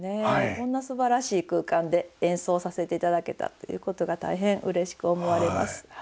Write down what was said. こんなすばらしい空間で演奏させていただけたっていうことが大変うれしく思われます。